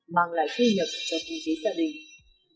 mang lại thu nhập cho kinh tế gia đình